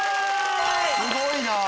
すごいな！